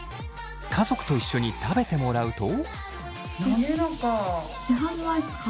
家族と一緒に食べてもらうと。